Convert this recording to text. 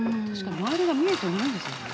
周りが見えてないんですもんね。